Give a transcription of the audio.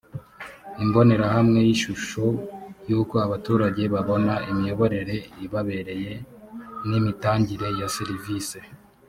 imbonerahamwe y’ishusho y’uko abaturage babona imiyoborere ibabereye n’imitangire ya serivise